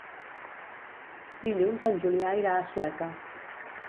Dilluns en Julià irà a Sueca.